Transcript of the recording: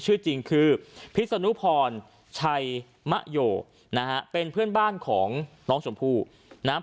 ชื่อจริงคือพิษนุพรชัยมะโยนะฮะเป็นเพื่อนบ้านของน้องชมพู่นะฮะ